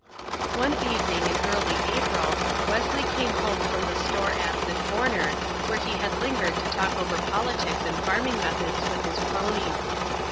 One evening in early April Wesley came home from the store at "the Corner," where he had lingered to talk over politics and farming methods with his cronies.